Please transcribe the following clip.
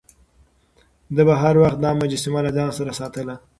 ده به هر وخت دا مجسمه له ځان سره ساتله.